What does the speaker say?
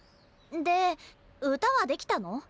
で歌は出来たの？